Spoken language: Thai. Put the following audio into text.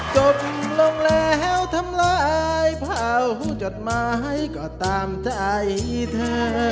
จบลงแล้วทำลายเผาจดหมายก็ตามใจเธอ